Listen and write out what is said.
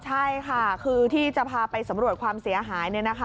ใช่ค่ะคือที่จะพาไปสำรวจความเสียหาย